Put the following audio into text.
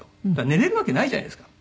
寝れるわけないじゃないですか。